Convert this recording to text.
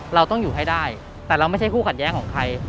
เราต้องอยู่ให้ได้แต่เราไม่ใช่คู่ขัดแย้งของใคร